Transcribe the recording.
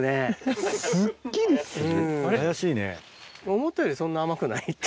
思ったよりそんな甘くないっていう。